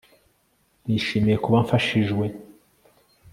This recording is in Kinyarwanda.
Nishimiye kuba mfashijwe